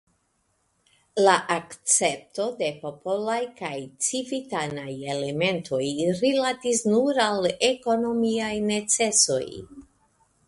La akcepto de popolaj kaj civitanaj elementoj rilatis nur al ekonomiaj necesoj.